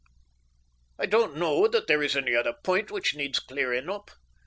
I don't know that there is any other point which needs clearing up.